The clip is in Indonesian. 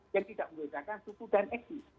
yang tidak menggunakan suku dan eksi